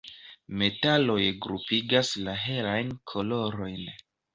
Metaloj grupigas la "helajn kolorojn".